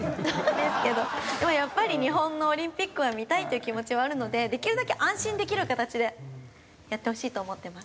でもやっぱり日本のオリンピックは見たいっていう気持ちはあるのでできるだけ安心できる形でやってほしいと思ってます。